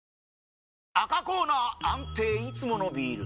赤コーナー安定いつものビール！